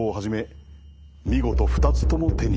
見事２つとも手に入れた。